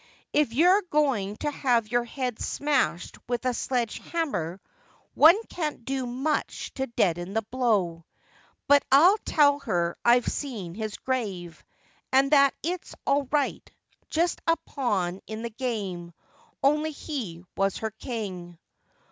If you're going to have your head smashed with a sledgehammer, one can't do much 1 68 TAKING OVER A HORSE to deaden the blow. But I'll tell her I've seen his grave, and that it's all right. Just a pawn in the game. Only he was her king.